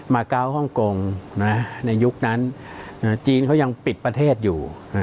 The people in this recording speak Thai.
ก้าวฮ่องกงในยุคนั้นจีนเขายังปิดประเทศอยู่